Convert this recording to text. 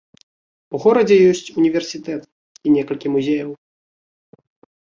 У горадзе ёсць універсітэт і некалькі музеяў.